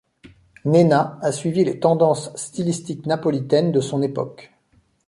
Nenna a suivi les tendances stylistiques napolitaines de son époque.